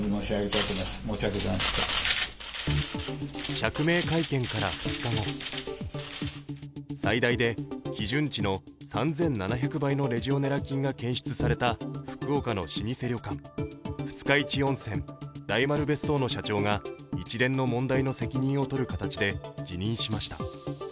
釈明会見から２日後最大で、基準値の３７００倍のレジオネラ菌が検出された福岡の老舗旅館、二日市温泉大丸別荘の社長が一連の問題の責任をとる形で辞任しました。